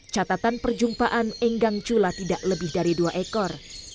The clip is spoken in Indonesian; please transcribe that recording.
catatan perjumpaan enggang chula tidak lebih dari dua ekor